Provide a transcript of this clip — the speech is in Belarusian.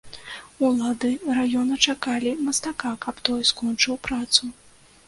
Улады раёна чакалі мастака, каб той скончыў працу.